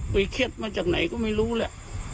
เครียดมาจากไหนก็ไม่รู้แหละ